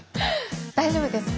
大丈夫です。